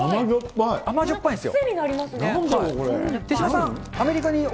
甘じょっぱいんですよ。